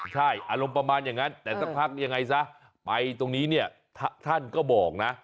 ใช่อารมณ์ประมาณอย่างนั้นแต่สักพักยังไงซะไปตรงนี้เนี่ยท่านก็บอกนะ